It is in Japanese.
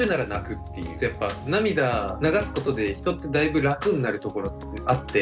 やっぱ涙流すことで人ってだいぶ楽になるところってあって。